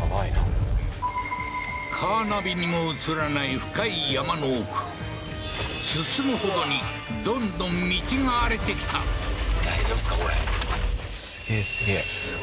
やばいなカーナビにも映らない深い山の奥進むほどにどんどん道が荒れてきたすげえすげえ